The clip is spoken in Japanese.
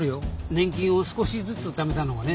年金を少しずつためたのがね。